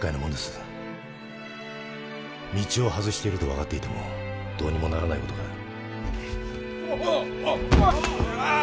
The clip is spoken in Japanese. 道を外していると分かっていてもどうにもならない事がある。